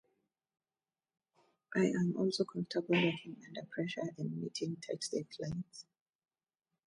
I am also comfortable working under pressure and meeting tight deadlines.